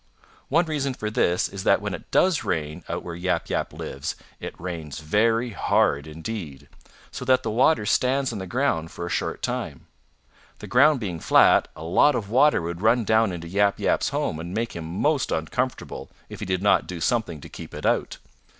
One reason for this is that when it does rain out where Yap Yap lives it rains very hard indeed, so that the water stands on the ground for a short time. The ground being flat, a lot of water would run down into Yap Yap's home and make him most uncomfortable if he did not do something to keep it out.